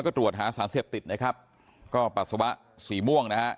ก็ตรวจหาสารเสพติดนะครับก็ปัสสาวะสีม่วงนะฮะ